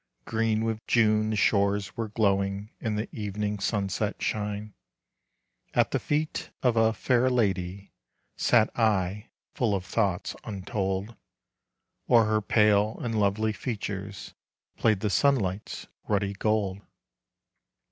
Green with June the shores were glowing In the evening's sunset shine. At the feet of a fair lady Sat I, full of thoughts untold, O'er her pale and lovely features Played the sunlight's ruddy gold.